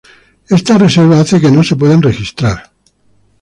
Esta reserva hace que no se puedan registrar.